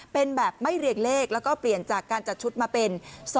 เป็นแบบไม่เรียงเลขแล้วก็เปลี่ยนจากการจัดชุดมาเป็น